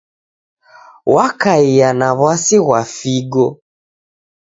Wakaia na w'asi ghwa figho.